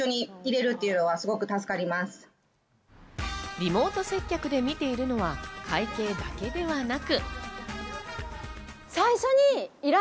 リモート接客で見ているのは会計だけではなく。